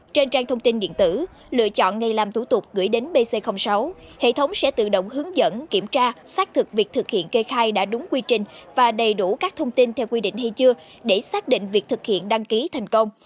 trên trang thông tin điện tử lựa chọn ngày làm thủ tục gửi đến pc sáu hệ thống sẽ tự động hướng dẫn kiểm tra xác thực việc thực hiện kê khai đã đúng quy trình và đầy đủ các thông tin theo quy định hay chưa để xác định việc thực hiện đăng ký thành công